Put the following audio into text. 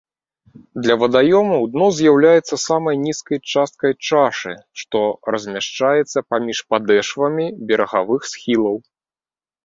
Для вадаёмаў дно з'яўляецца самай нізкай часткай чашы, што размяшчаецца паміж падэшвамі берагавых схілаў.